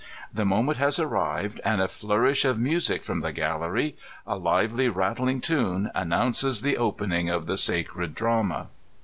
The moment has arrived, and a flourish of music from the gallery, a lively, rattling tune, annoimces the opening of the sacred drama.